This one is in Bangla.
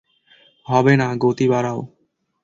হবে না, গতি বাড়াও।